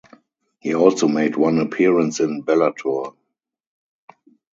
He also made one appearance in Bellator.